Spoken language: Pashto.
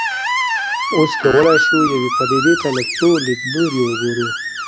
اوس کولای شو یوې پدیدې ته له څو لیدلوریو وګورو.